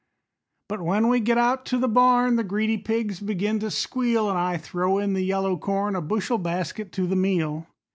But when we get out to the barn The greedy pigs begin to squeal, An' I throw in the yellow corn, A bushel basket to the meal.